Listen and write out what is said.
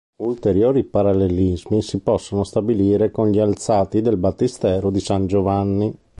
Ulteriori parallelismi si possono stabilire con gli alzati del battistero di San Giovanni.